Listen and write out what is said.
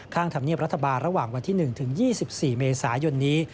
ธรรมเนียบรัฐบาลระหว่างวันที่๑ถึง๒๔เมษายนนี้